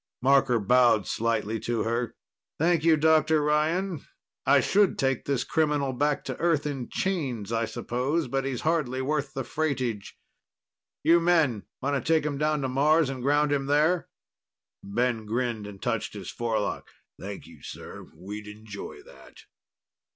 Marker bowed slightly to her. "Thank you, Dr. Ryan. I should take this criminal back to Earth in chains, I suppose. But he's hardly worth the freightage. You men. Want to take him down to Mars and ground him there?" Ben grinned and touched his forelock. "Thank you, sir. We'd enjoy that."